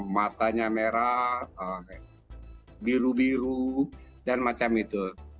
matanya merah biru biru dan macam itu